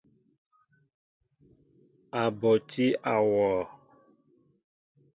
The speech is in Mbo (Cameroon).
A ɓotí awɔɔ.